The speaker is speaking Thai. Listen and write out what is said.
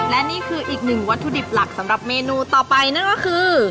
และนี่คืออีกหนึ่งวัตถุดิบหลักสำหรับเมนูต่อไปนั่นก็คือ